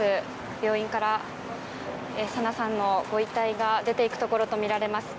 病院から紗菜さんのご遺体が出ていくところとみられます。